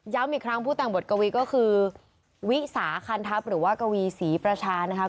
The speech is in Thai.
อีกครั้งผู้แต่งบทกวีก็คือวิสาคันทัพหรือว่ากวีศรีประชานะครับ